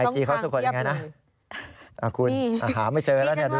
ไอจีเขาสู่คนอย่างไรนะอาคุณอาหารไม่เจอแล้วนี่ดูสิ